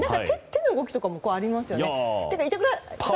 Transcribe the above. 手の動きもありますよね？